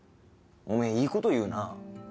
おめえいいこと言うな。